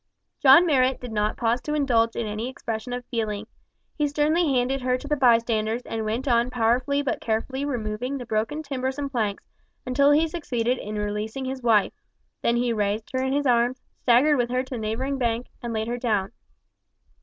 John Marrot did not pause to indulge in any expression of feeling. He sternly handed her to the bystanders, and went on powerfully but carefully removing the broken timbers and planks, until he succeeded in releasing his wife. Then he raised her in his arms, staggered with her to the neighbouring bank and laid her down.